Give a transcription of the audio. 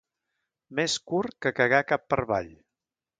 Més curt que cagar cap per avall.